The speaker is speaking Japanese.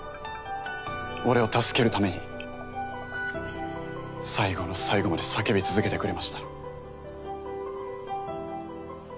俺を助けるために最後の最後まで叫び続けてくれました。